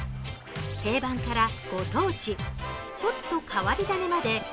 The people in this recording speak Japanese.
定番からご当地、ちょっと変わり種まで